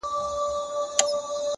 چي د شر تخم تباه نه کړی یارانو -